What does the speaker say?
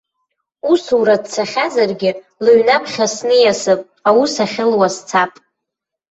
Усура дцахьазаргьы, лыҩны аԥхьа сниасып, аус ахьылуа сцап.